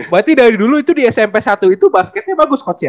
berarti dari dulu itu di smp satu itu basketnya bagus coach ya